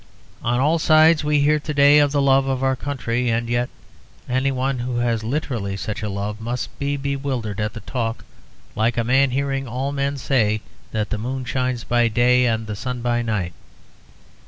On all sides we hear to day of the love of our country, and yet anyone who has literally such a love must be bewildered at the talk, like a man hearing all men say that the moon shines by day and the sun by night.